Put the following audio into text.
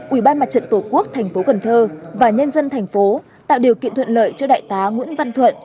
ủy ban mặt trận tổ quốc thành phố cần thơ và nhân dân thành phố tạo điều kiện thuận lợi cho đại tá nguyễn văn thuận